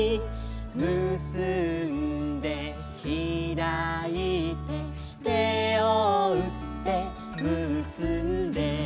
「むすんでひらいて」「手をうってむすんで」